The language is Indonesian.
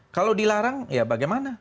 kalau dilarang ya bagaimana